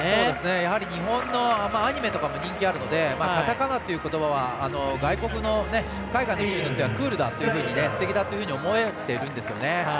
やはり日本のアニメとかも人気あるのでカタカナということばは海外の人にとってクールだ、すてきだと思われてるんですよね。